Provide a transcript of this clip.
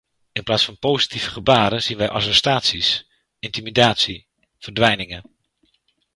In plaats van positieve gebaren zien wij arrestaties, intimidatie, verdwijningen.